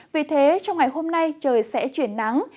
vì thế trong ngày hôm nay trời sẽ chuyển nắng